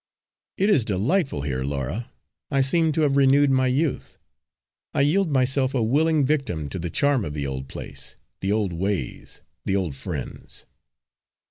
"It is delightful here, Laura. I seem to have renewed my youth. I yield myself a willing victim to the charm of the old place, the old ways, the old friends."